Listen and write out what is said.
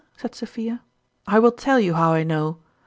" said Sophia. " I will tell you how I know.